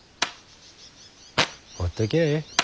ほっときゃあええ。